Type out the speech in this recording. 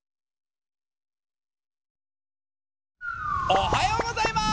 おはようございます！